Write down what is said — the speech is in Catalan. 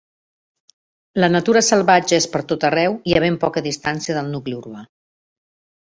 La natura salvatge és per tot arreu i a ben poca distància del nucli urbà.